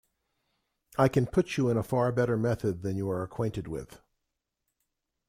I can put you in a far better method than you are acquainted with...